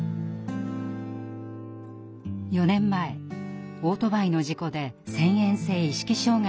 ４年前オートバイの事故で遷延性意識障害になりました。